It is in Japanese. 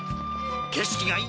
景色がいい。